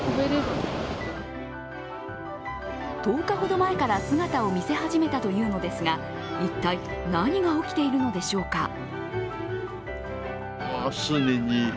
１０日ほど前から姿を見せ始めたというのですが一体何が起きているのでしょうか。